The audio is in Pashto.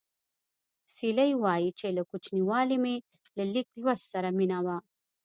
سیلۍ وايي چې له کوچنیوالي مې له لیک لوست سره مینه وه